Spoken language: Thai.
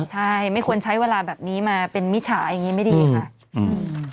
ใช่ไม่ควรใช้เวลาแบบนี้มาเป็นมิจฉาอย่างนี้ไม่ดีค่ะอืม